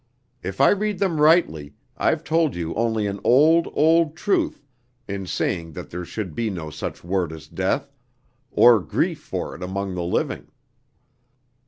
"If I read them rightly, I've told you only an old, old truth in saying that there should be no such word as death, or grief for it among the living.